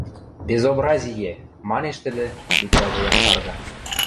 — Безобразие! — манеш тӹдӹ, лицӓжӹ якшарга.